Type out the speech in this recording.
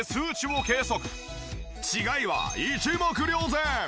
違いは一目瞭然！